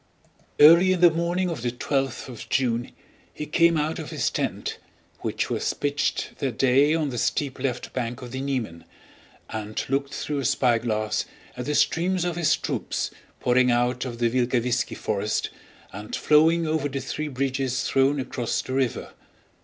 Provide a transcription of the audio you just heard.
Early in the morning of the twelfth of June he came out of his tent, which was pitched that day on the steep left bank of the Niemen, and looked through a spyglass at the streams of his troops pouring out of the Vilkavisski forest and flowing over the three bridges thrown across the river.